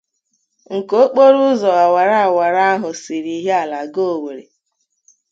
nke okporoụzọ awara-awara ahụ siri Ihiala gaa Owerri